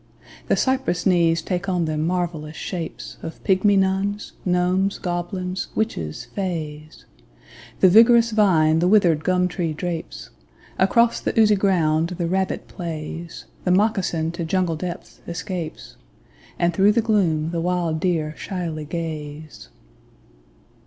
The cypress knees take on them marvellous shapes Of pygmy nuns, gnomes, goblins, witches, fays, The vigorous vine the withered gum tree drapes, Across the oozy ground the rabbit plays, The moccasin to jungle depths escapes, And through the gloom the wild deer shyly gaze.